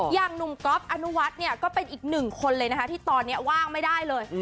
อย่างหนุ่มก๊อฟอนุวัฒน์เนี่ยก็เป็นอีกหนึ่งคนเลยนะคะที่ตอนนี้ว่างไม่ได้เลย